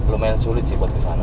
lumayan sulit sih buat kesana